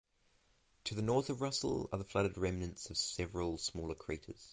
To the north of Russell are the flooded remnants of several smaller craters.